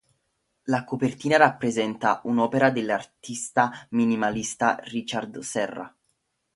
La copertina rappresenta un'opera dell'artista minimalista Richard Serra.